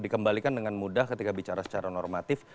dikembalikan dengan mudah ketika bicara secara normatif